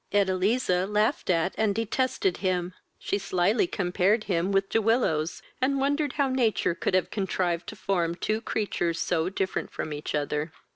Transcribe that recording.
Edeliza laughed at and detested him. She slily compare him with De Willows, and wondered how nature could have contrived to form two creatures so different from each other.